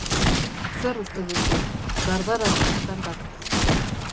Zer uste duzu? Dardaraz ditut hankak.